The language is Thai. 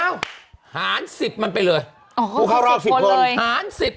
เอาหารสิบมันไปเลยอ๋อเขาเข้ารอสิบคนเลยหารสิบ